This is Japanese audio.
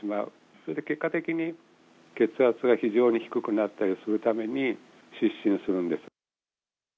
それで結果的に、血圧が非常に低くなったりするために、失神するんです。